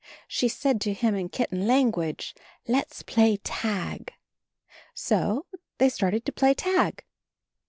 She said to him in kitten language, "Let's play tag." So they started to play tag.